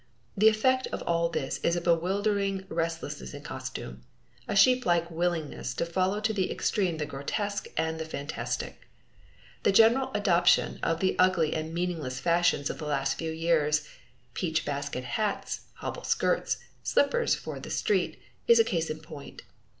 The effect of all this is a bewildering restlessness in costume a sheeplike willingness to follow to the extreme the grotesque and the fantastic. The very general adoption of the ugly and meaningless fashions of the last few years peach basket hats, hobble skirts, slippers for the street is a case in point.